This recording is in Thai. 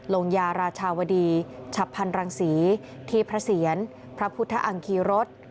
ลงยาราชาวดีฉับพันรังศรีที่พระเสียรพระพุทธอังคีรส